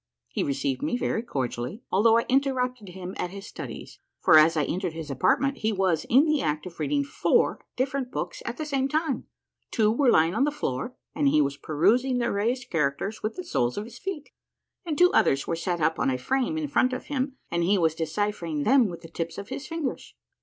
He received me very cordially, although I interrupted him at his studies, for, as I entered his apartment, he was in the act of reading four different books at the same time : two were lying on the floor, and he was perusing their raised characters with the soles of his feet, and two others were set up on a frame in front of him and he was deciphering them with the tips of his fingers.